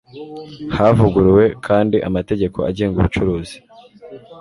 havuguruwe kandi amategeko agenga ubucuruzi